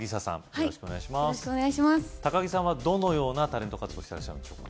よろしくお願いします高樹さんはどのようなタレント活動してらっしゃるんでしょうか？